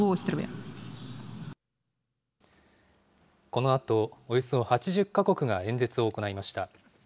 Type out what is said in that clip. このあと、およそ８０か国が演説を行いました。